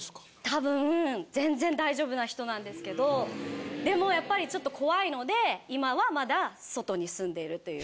多分ぜんぜん大丈夫な人なんですけどでもやっぱりちょっと怖いので今はまだ外に住んでいるという。